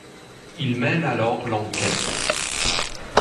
Ils mènent alors l'enquête...